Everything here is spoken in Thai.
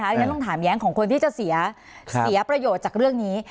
เดี๋ยวฉันลองถามแย้งของคนที่จะเสียประโยชน์จากเรื่องนี้